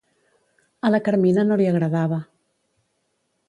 A la Carmina no li agradava.